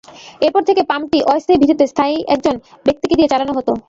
এরপর থেকে পাম্পটি অস্থায়ী ভিত্তিতে স্থানীয় একজন ব্যক্তিকে দিয়ে চালানো হতো।